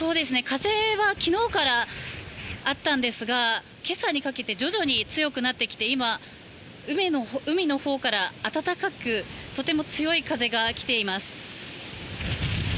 風は昨日からあったんですが今朝にかけて徐々に強くなってきて今、海のほうから暖かくとても強い風が来ています。